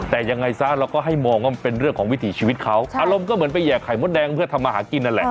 แต่ยังไงซะเราก็ให้มองว่ามันเป็นเรื่องของวิถีชีวิตเขาอารมณ์ก็เหมือนไปแยกไข่มดแดงเพื่อทำมาหากินนั่นแหละ